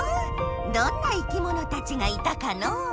どんないきものたちがいたかのう？